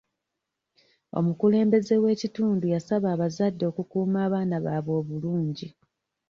Omukulembeze w'ekitundu yasaba abazadde okukuuma abaana baabwe obulungi.